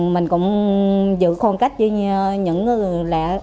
mình cũng giữ khôn cách với những người lạ